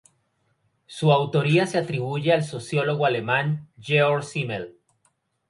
Su autoría se atribuye al sociólogo alemán Georg Simmel.